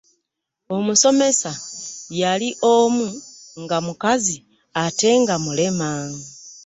Omusomesa yali omu nga mukazi ate nga mulema.